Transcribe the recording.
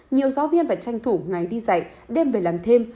nhiều giáo viên phải tranh thủ ngày đi dạy đêm về làm thêm